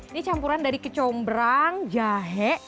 ini campuran dari kecombrang jahe